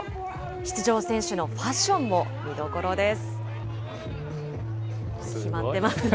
出場選手のファッションも見どころです。